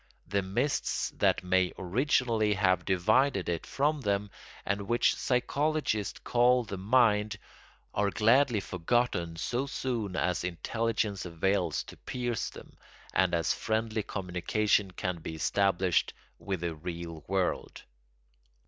The mists that may originally have divided it from them, and which psychologists call the mind, are gladly forgotten so soon as intelligence avails to pierce them, and as friendly communication can be established with the real world.